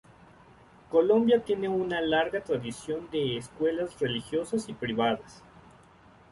Colombia tiene una larga tradición de escuelas religiosas y privadas.